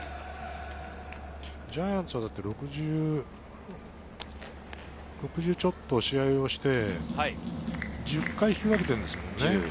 ジャイアンツはだって、６０ちょっと試合をして、１０回、引き分けているんですよ。